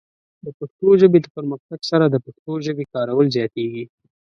د پښتو ژبې د پرمختګ سره، د پښتنو د ژبې کارول زیاتېږي.